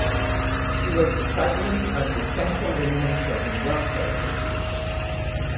She was the president of the Central Women and Children Welfare Association.